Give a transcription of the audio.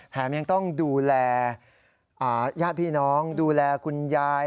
ยังต้องดูแลญาติพี่น้องดูแลคุณยาย